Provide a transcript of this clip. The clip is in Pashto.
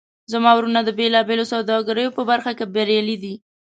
زما وروڼه د بیلابیلو سوداګریو په برخه کې بریالي دي